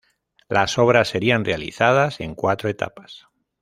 Las obras serían realizadas en cuatro etapas.